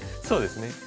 そうですね。